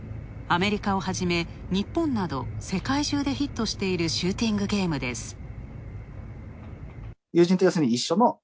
アメリカをはじめ、日本など世界中でヒットしているシューティングゲームです。